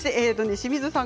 清水さん